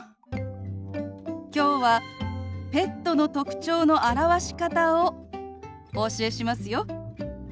きょうはペットの特徴の表し方をお教えしますよ。